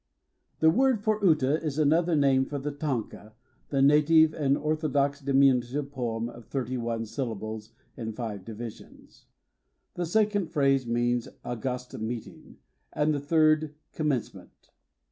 The word uta is another name for the tanka — ^the native and ortho dox diminutive poem of thirty one syl lables in five divisions. The second phrase means ''august meeting", and the third, "commencement".